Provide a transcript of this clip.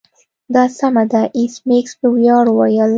دا سمه ده ایس میکس په ویاړ وویل